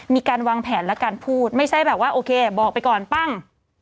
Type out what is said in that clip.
มีการวางแผนและการพูดไม่ใช่แบบว่าโอเคบอกไปก่อนปั้ง